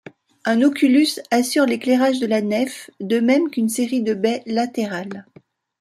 Un oculus assure l'éclairage de la nef, de même qu'une série de baies latérales.